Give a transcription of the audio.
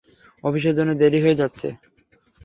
অফিসের জন্য দেরি হয়ে যাচ্ছে।